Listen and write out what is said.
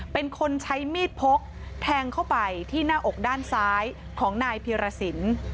เป็นคนใช้มีดพกแทงเข้าไปที่หน้าอกด้านซ้ายของนายพีรสิน